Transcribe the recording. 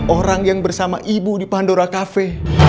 orang yang bersama ibu di pandora kafe